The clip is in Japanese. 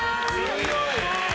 強い！